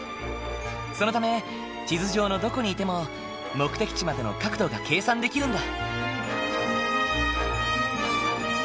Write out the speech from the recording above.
そのため地図上のどこにいても目的地までの角度が計算できるんだ。